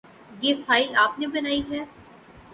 یہ فائل آپ نے بنائی ہے ؟